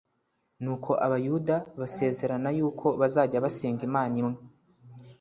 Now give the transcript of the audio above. Nuko Abayuda basezerana yuko bazajya basenga Imana imwe.